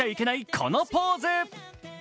このポーズ。